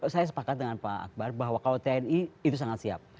saya sepakat dengan pak akbar bahwa kalau tni itu sangat siap